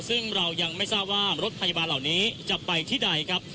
ซึ่งเรายังไม่ทราบว่ารถพยาบาลเหล่านี้จะไปที่ใดครับ